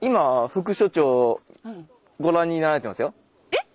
えっ？